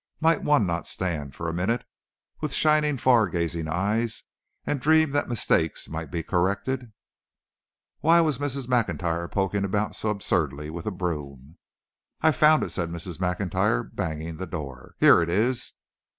Might one not stand, for a minute, with shining, far gazing eyes, and dream that mistakes might be corrected? Why was Mrs. Maclntyre poking about so absurdly with a broom? "I've found it," said Mrs. MacIntyre, banging the door. "Here it is."